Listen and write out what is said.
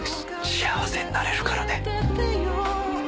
「幸せになれるからね」